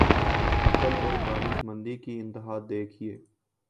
عقل اور دانشمندی کی انتہا دیکھیے۔